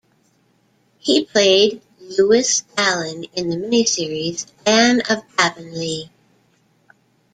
He played Lewis Allen in the miniseries "Anne of Avonlea".